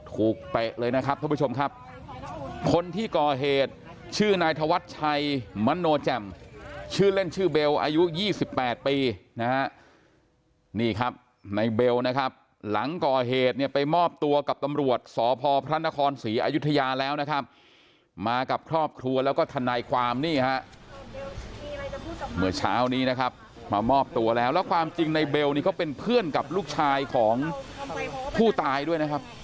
เตะเลยนะครับท่านผู้ชมครับคนที่ก่อเหตุชื่อนายธวัชชัยมโนแจ่มชื่อเล่นชื่อเบลอายุ๒๘ปีนะฮะนี่ครับในเบลนะครับหลังก่อเหตุเนี่ยไปมอบตัวกับตำรวจสพพระนครศรีอยุธยาแล้วนะครับมากับครอบครัวแล้วก็ทนายความนี่ฮะเมื่อเช้านี้นะครับมามอบตัวแล้วแล้วความจริงในเบลนี่เขาเป็นเพื่อนกับลูกชายของผู้ตายด้วยนะครับ